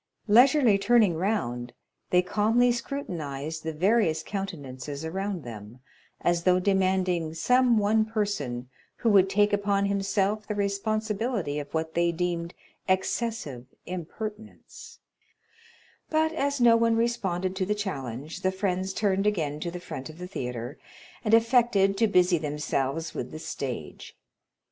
Leisurely turning round, they calmly scrutinized the various countenances around them, as though demanding some one person who would take upon himself the responsibility of what they deemed excessive impertinence; but as no one responded to the challenge, the friends turned again to the front of the theatre, and affected to busy themselves with the stage.